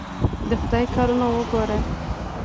د خدای کارونه وګوره!